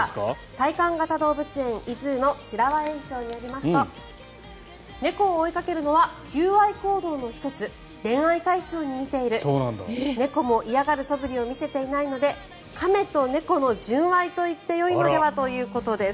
体感型動物園ｉＺｏｏの白輪園長によりますと猫を追いかけるのは求愛行動の１つ恋愛対象に見ている猫も嫌がるそぶりを見せていないので亀と猫の純愛と言ってよいのではということです。